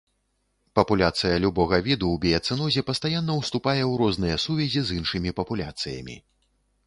Папуляцыя любога віду ў біяцэнозе пастаянна ўступае ў розныя сувязі з іншымі папуляцыямі.